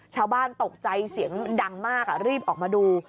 ชาวบ้านตกใจเสียงดังมากรีบออกมาดู